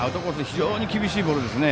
非常に厳しいボールですね。